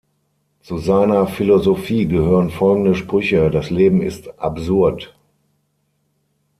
Zu seiner Philosophie gehören folgende Sprüche: „Das Leben ist absurd.